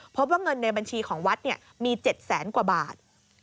พบว่าเงินในบัญชีของวัดเนี่ยมี๗๐๐๐๐๐กว่าบาท